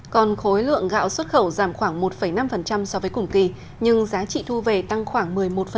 còn khối lượng gạo xuất khẩu giảm khoảng một năm so với cùng kỳ nhưng giá trị thu về tăng khoảng một mươi một